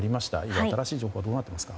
新しい情報はどうなっていますか。